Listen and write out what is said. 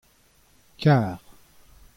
kar.